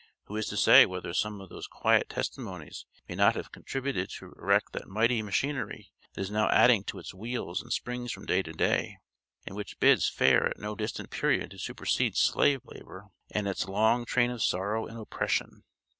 Who is to say whether some of those quiet testimonies may not have contributed to erect that mighty machinery that is now adding to its wheels and springs from day to day, and which bids fair at no distant period to supersede slave labor and its long train of sorrow and oppression?